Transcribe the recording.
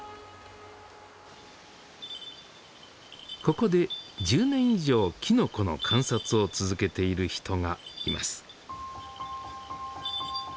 ここで１０年以上きのこの観察を続けている人がいます。